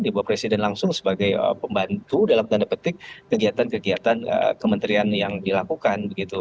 di bawah presiden langsung sebagai pembantu dalam tanda petik kegiatan kegiatan kementerian yang dilakukan